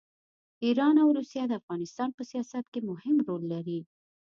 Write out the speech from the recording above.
ایران او روسیه د افغانستان په سیاست کې مهم رول لري.